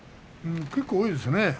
結構多いですね